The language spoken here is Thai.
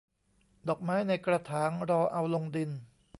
ดอกไม้ในกระถางรอเอาลงดิน